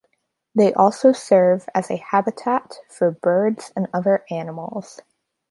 They also serve as a habitat for birds and other animals.